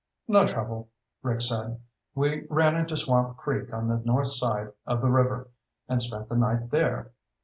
"No trouble," Rick said. "We ran into Swamp Creek on the north side of the river and spent the night there."